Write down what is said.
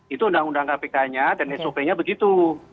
itu undang undang kpk nya dan sop nya begitu